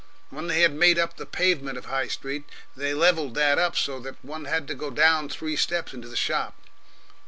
When they had made up the pavement of the High Street, they levelled that up so that one had to go down three steps into the shop.